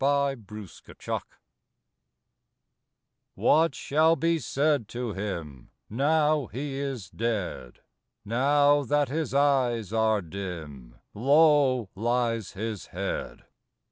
AT LAST What shall be said to him, Now he is dead? Now that his eyes are dim, Low lies his head?